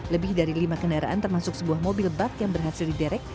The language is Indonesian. lebih dari lima kendaraan termasuk sebuah mobil bak yang berhasil diderek